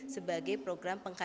sebagai program penghasilan